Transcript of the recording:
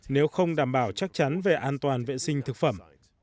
nếu không đảm bảo chắc chắn về an toàn vệ sinh thực phẩm